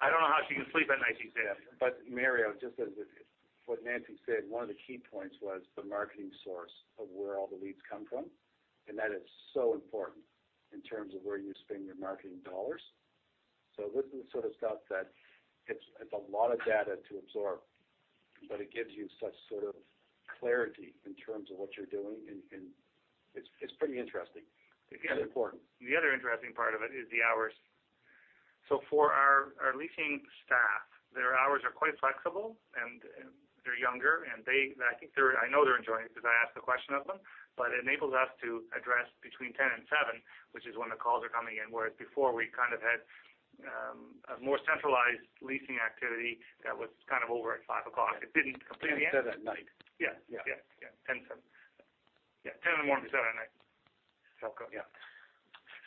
I don't know how she can sleep at night these days. Mario, just as what Nancy said, one of the key points was the marketing source of where all the leads come from, and that is so important in terms of where you spend your marketing dollars. This is the sort of stuff that it's a lot of data to absorb, but it gives you such sort of clarity in terms of what you're doing, and it's pretty interesting. It's important. The other interesting part of it is the hours. For our leasing staff, their hours are quite flexible, and they're younger, and I know they're enjoying it because I ask the question of them, but it enables us to address between 10 and seven, which is when the calls are coming in, whereas before, we kind of had a more centralized leasing activity that was kind of over at 5 o'clock. It didn't completely end. Instead at night. Yeah. Yeah. Yeah. 10:00-7:00. Yeah, 10:00 in the morning to 7:00 at night. [Telco], yeah.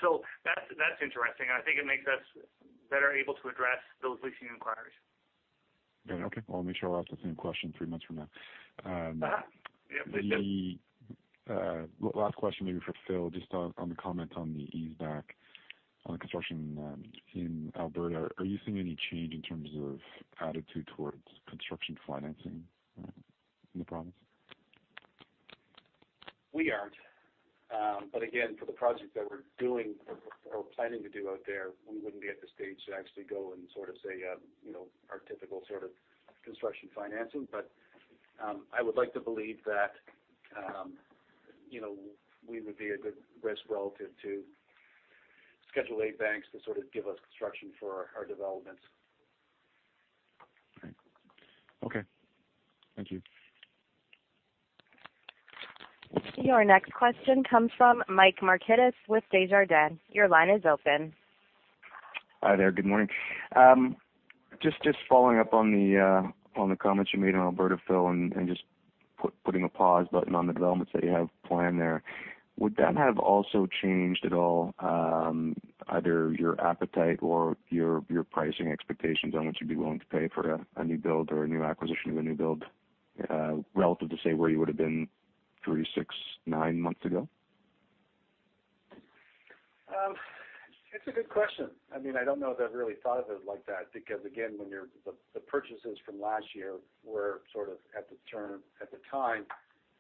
That's interesting, and I think it makes us better able to address those leasing inquiries. Okay. Well, I'll make sure I'll ask the same question three months from now. Uh-huh. Yep. The last question maybe for Phil, just on the comment on the ease back on the construction in Alberta. Are you seeing any change in terms of attitude towards construction financing in the province? We aren't. Again, for the projects that we're doing or planning to do out there, we wouldn't be at the stage to actually go and sort of say our typical sort of construction financing. I would like to believe that we would be a good risk relative to Schedule I banks to sort of give us construction for our developments. Okay. Thank you. Your next question comes from Michael Markidis with Desjardins. Your line is open. Hi there. Good morning. Just following up on the comments you made on Alberta, Phil, and just putting a pause button on the developments that you have planned there. Would that have also changed at all, either your appetite or your pricing expectations on what you'd be willing to pay for a new build or a new acquisition of a new build, relative to, say, where you would've been three, six, nine months ago? It's a good question. I don't know that I've really thought of it like that because, again, the purchases from last year were sort of at the time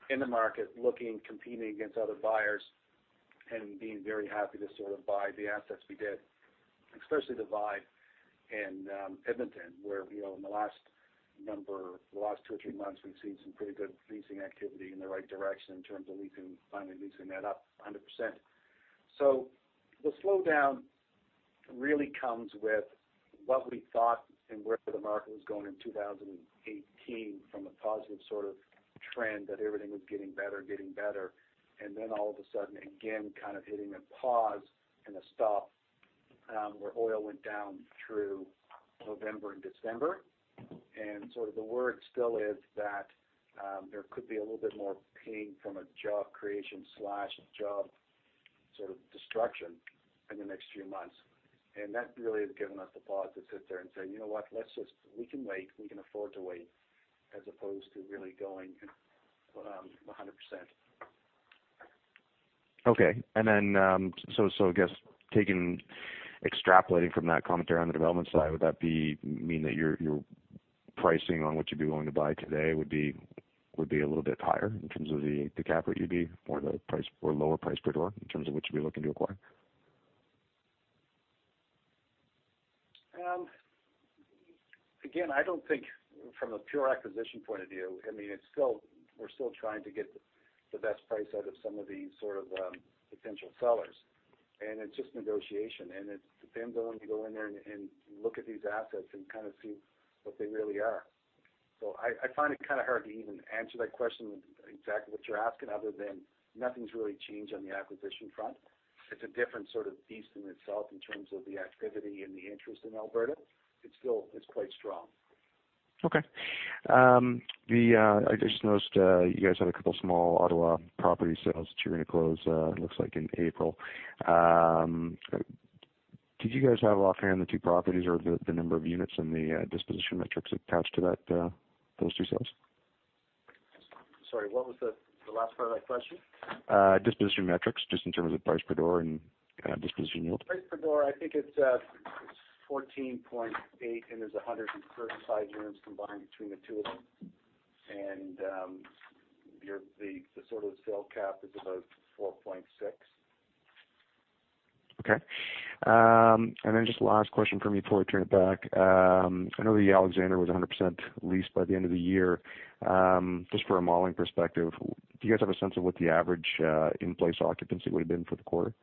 in the market, looking, competing against other buyers and being very happy to sort of buy the assets we did, especially the buy in Edmonton, where in the last two or three months, we've seen some pretty good leasing activity in the right direction in terms of finally leasing that up 100%. The slowdown really comes with what we thought and where the market was going in 2018 from a positive sort of trend that everything was getting better. All of a sudden, again, kind of hitting a pause and a stop, where oil went down through November and December. Sort of the word still is that there could be a little bit more pain from a job creation/job sort of destruction in the next few months. That really has given us the pause to sit there and say, "You know what? We can wait. We can afford to wait," as opposed to really going 100%. Okay. I guess extrapolating from that commentary on the development side, would that mean that your pricing on what you'd be willing to buy today would be a little bit higher in terms of the cap rate you'd be, or the lower price per door in terms of what you'd be looking to acquire? Again, I don't think from a pure acquisition point of view, we're still trying to get the best price out of some of the sort of potential sellers, and it's just negotiation, and it depends on when we go in there and look at these assets and kind of see what they really are. I find it kind of hard to even answer that question exactly what you're asking, other than nothing's really changed on the acquisition front. It's a different sort of beast in itself in terms of the activity and the interest in Alberta. It's still quite strong. Okay. I just noticed you guys have a couple small Ottawa property sales that you're going to close, it looks like in April. Did you guys have offhand the two properties or the number of units and the disposition metrics attached to those two sales? Sorry, what was the last part of that question? Disposition metrics, just in terms of price per door and disposition yield. Price per door, I think it's 14.8, and there's 135 units combined between the two of them. The sort of sale cap is about 4.6%. Okay. Just last question from me before I turn it back. I know The Alexander was 100% leased by the end of the year. Just from a modeling perspective, do you guys have a sense of what the average in-place occupancy would've been for the quarter?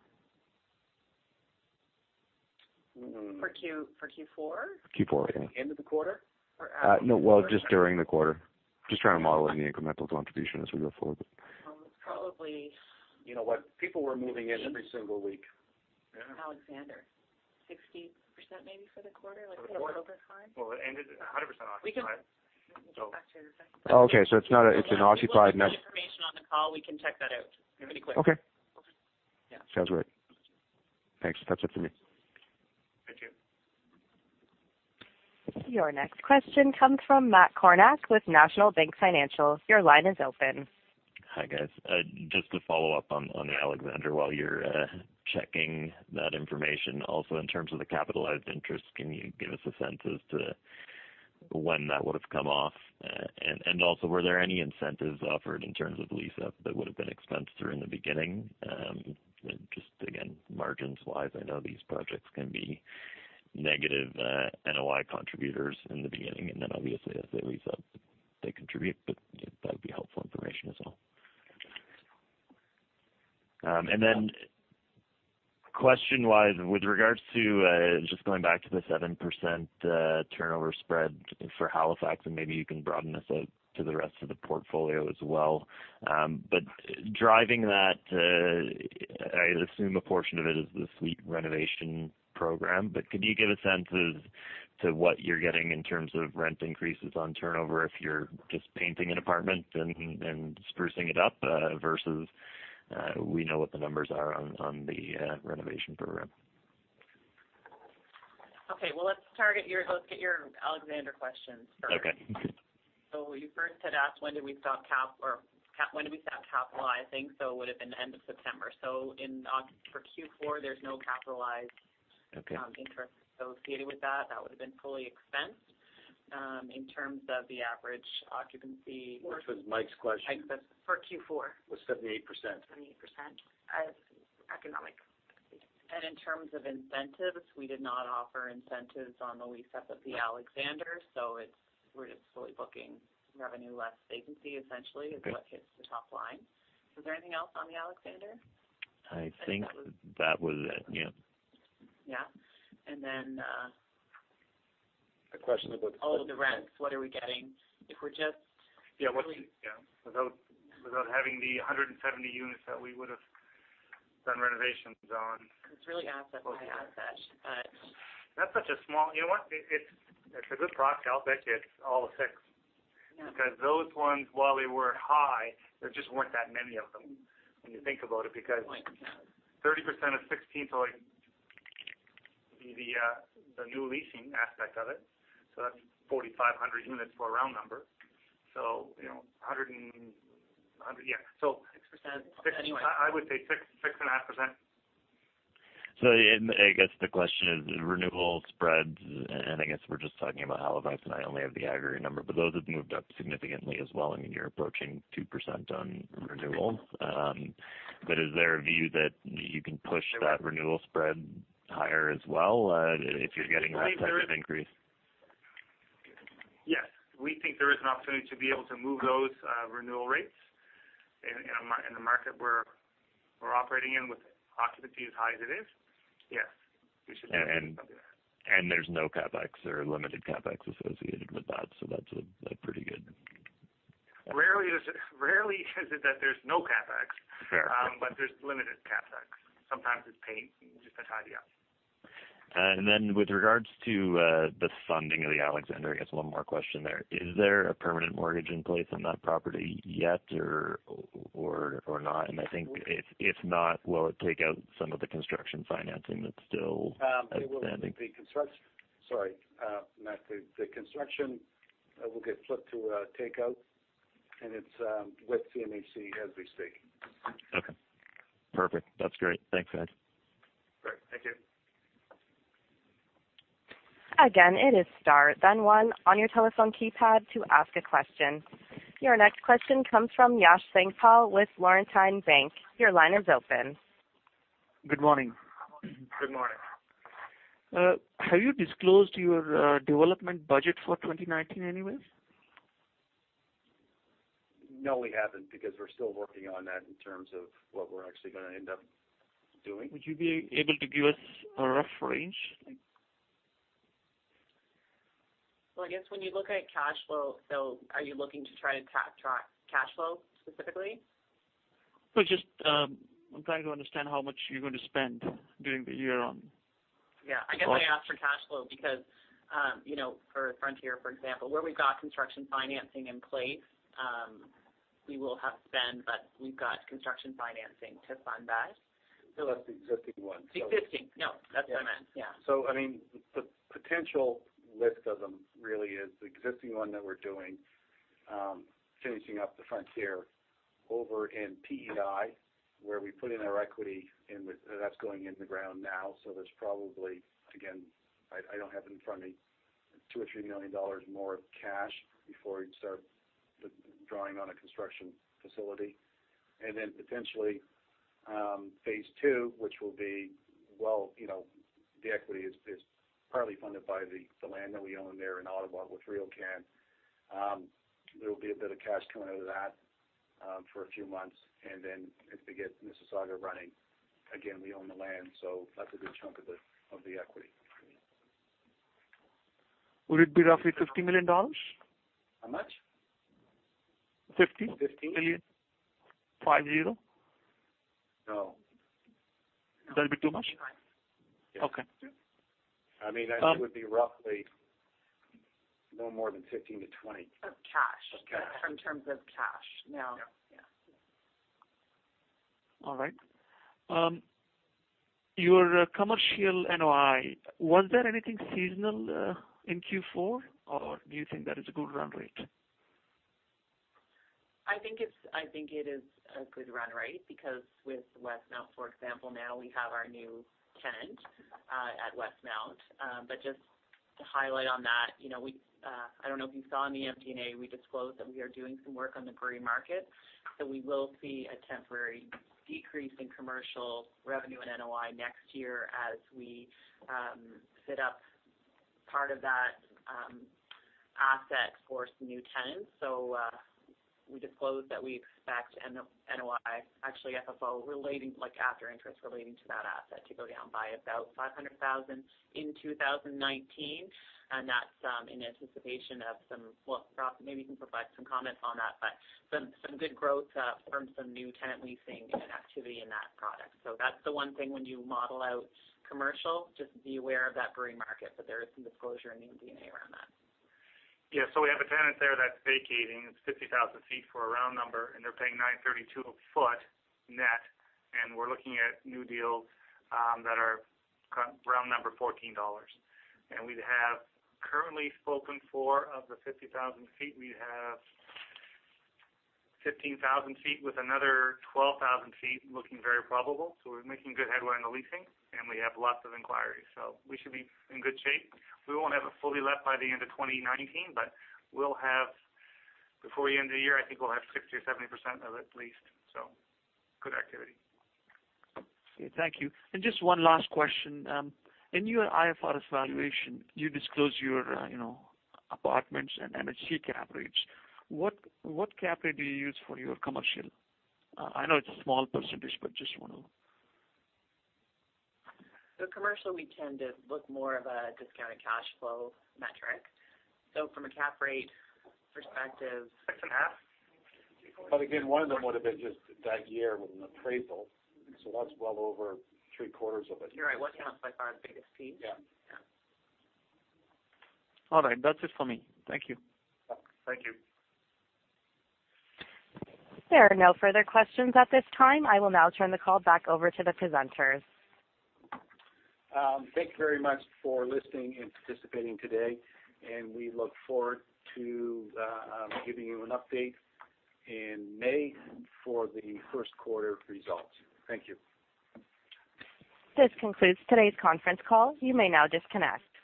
For Q4? Q4, yeah. End of the quarter? No, well, just during the quarter. Just trying to model in the incremental contribution as we go forward. It's probably. You know what? People were moving in every single week. At Alexander, 60% maybe for the quarter, like a little bit time. Well, it ended 100% occupied. We can get back to you on that. Oh, okay. It's an occupied- If you want the information on the call, we can check that out really quick. Okay. Yeah. Sounds great. Thanks. That's it for me. Thank you. Your next question comes from Matt Kornack with National Bank Financial. Your line is open. Hi, guys. Just to follow up on the Alexander while you're checking that information. Also, in terms of the capitalized interest, can you give us a sense as to when that would've come off? And also, were there any incentives offered in terms of lease-up that would've been expensed during the beginning? Just again, margins-wise, I know these projects can be negative NOI contributors in the beginning, and then obviously as they lease up, they contribute. That'd be helpful information as well. And then question-wise, with regards to, just going back to the 7% turnover spread for Halifax, and maybe you can broaden this out to the rest of the portfolio as well. Driving that, I assume a portion of it is the suite renovation program. Could you give a sense as to what you're getting in terms of rent increases on turnover if you're just painting an apartment and sprucing it up, versus we know what the numbers are on the renovation program. Well, let's get your Alexander questions first. Okay. You first had asked when did we stop capitalizing, so it would've been the end of September. For Q4, there's no capitalized- Okay. Interest associated with that. That would've been fully expensed. In terms of the average occupancy- Which was Mike's question. For Q4. Was 78%. 78%. As economic. In terms of incentives, we did not offer incentives on the lease-up of The Alexander. We're just fully booking revenue less vacancy essentially. Okay. Its what hits the top line. Was there anything else on The Alexander? I think that was it, yeah. Yeah. A question? Oh, the rents. What are we getting? Yeah. Without having the 170 units that we would've done renovations on. It's really asset by asset. That's such a small. You know what? For this rock, I'll pick it's all of six. Yeah. Those ones, while they were high, there just weren't that many of them when you think about it. Point. Yeah 30% of 16 probably would be the new leasing aspect of it. That's 4,500 units for a round number. 100 and Yeah. 6%. Anyway. I would say 6.5%. I guess the question is renewal spreads, and I guess we're just talking about Halifax, and I only have the aggregate number, but those have moved up significantly as well. I mean, you're approaching 2% on renewals. Is there a view that you can push that renewal spread higher as well if you're getting that type of increase? Yes. We think there is an opportunity to be able to move those renewal rates in the market we're operating in with occupancy as high as it is. Yes. We should be able to do that. There's no CapEx or limited CapEx associated with that, so that's a pretty good Rarely is it that there's no CapEx. Fair. There's limited CapEx. Sometimes it's paint, just to tidy up. With regards to the funding of The Alexander, I guess one more question there. Is there a permanent mortgage in place on that property yet or not? I think if not, will it take out some of the construction financing that's still outstanding? Sorry. Matt, the construction will get flipped to a takeout, and it's with CMHC as we speak. Okay. Perfect. That's great. Thanks, [Ed]. Great. Thank you. Again, it is star, then one on your telephone keypad to ask a question. Your next question comes from Yash Sangha with Laurentian Bank. Your line is open. Good morning. Good morning. Have you disclosed your development budget for 2019 anywhere? No, we haven't, because we're still working on that in terms of what we're actually going to end up doing. Would you be able to give us a rough range? Well, I guess when you look at cash flow, so are you looking to try to track cash flow specifically? Well, just I'm trying to understand how much you're going to spend during the year on. Yeah. I guess I asked for cash flow because, for Frontier for example, where we've got construction financing in place. We will have spend, but we've got construction financing to fund that. That's the existing one. The existing. No, that's what I meant. Yeah. The potential list of them really is the existing one that we're doing, finishing up the Frontier over in P.E.I., where we put in our equity, and that's going in the ground now. There's probably, again, I don't have it in front of me, 2 million or 3 million dollars more of cash before we'd start drawing on a construction facility. Then potentially, phase II, which will be, well, the equity is partly funded by the land that we own there in Ottawa with RioCan. There will be a bit of cash coming out of that for a few months. Then as we get Mississauga running, again, we own the land, so that's a good chunk of the equity. Would it be roughly 50 million dollars? How much? 50 million. 50 million? Five Zero. No. That'd be too much? Too high. Okay. I think it would be roughly no more than 15-20. Of cash. Of cash. In terms of cash. All right. Your commercial NOI, was there anything seasonal in Q4, or do you think that is a good run rate? I think it is a good run rate because with Westmount, for example, now we have our new tenant at Westmount. Just to highlight on that, I don't know if you saw in the MD&A, we disclosed that we are doing some work on the grey market. We will see a temporary decrease in commercial revenue and NOI next year as we fit up part of that asset for some new tenants. We disclosed that we expect NOI, FFO relating after interest relating to that asset, to go down by about 500,000 in 2019, and that's in anticipation of Rob maybe can provide some comments on that, but some good growth from some new tenant leasing and activity in that product. That's the one thing when you model out commercial, just be aware of that grey market, but there is some disclosure in the MD&A around that. We have a tenant there that's vacating. It's 50,000 ft for a round number, they're paying 9.32 a ft net, we're looking at new deals that are round number 14 dollars. We have currently spoken for, of the 50,000 ft, we have 15,000 ft with another 12,000 ft looking very probable. We're making good headway on the leasing, we have lots of inquiries. We should be in good shape. We won't have it fully let by the end of 2019, but before the end of the year, I think we'll have 60%-70% of it leased. Good activity. Okay. Thank you. Just one last question. In your IFRS valuation, you disclose your apartments and MHC cap rates. What cap rate do you use for your commercial? I know it's a small percentage, but just want to. Commercial, we tend to look more of a discounted cash flow metric. From a cap rate perspective, it's a half. Again, one of them would've been just that year with an appraisal. That's well over three quarters of it. You're right. Westmount's like our biggest piece. Yeah. Yeah. All right. That's it for me. Thank you. Thank you. There are no further questions at this time. I will now turn the call back over to the presenters. Thank you very much for listening and participating today, and we look forward to giving you an update in May for the first quarter results. Thank you. This concludes today's conference call. You may now disconnect.